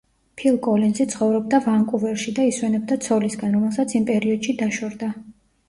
ფილ კოლინზი ცხოვრობდა ვანკუვერში და ისვენებდა ცოლისგან, რომელსაც იმ პერიოდში დაშორდა.